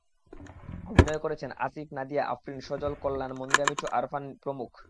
অভিনয় করেছেন আসিফ, নাদিয়া আফরীন, সজল, কল্যাণ, মনিরা মিঠু, আরফান প্রমুখ।